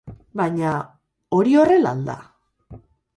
Baina, hori, horrela al da?